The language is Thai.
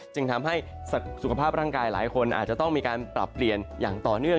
จึงทำให้สุขภาพร่างกายหลายคนอาจจะต้องมีการปรับเปลี่ยนอย่างต่อเนื่อง